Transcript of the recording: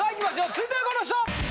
続いてはこの人！